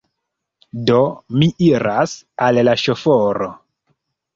Do, mi iras al la ŝoforo.